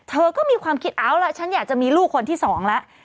เธอก็มีความคิดเอาล่ะฉันอยากจะมีลูกคนที่สองแล้ว